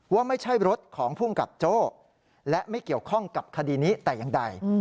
ว่าไม่ใช่รถของภูมิกับโจ้และไม่เกี่ยวข้องกับคดีนี้แต่อย่างใด